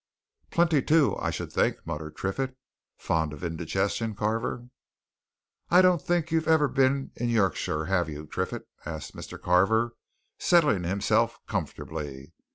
"Plenty too, I should think!" muttered Triffitt. "Fond of indigestion, Carver?" "I don't think you've ever been in Yorkshire, have you, Triffitt?" asked Mr. Carver, settling himself comfortably.